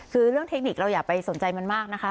คือเรื่องเทคนิคเราอย่าไปสนใจมันมากนะคะ